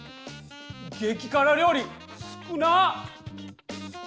激辛料理少なっ！